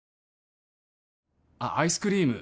あっアイスクリーム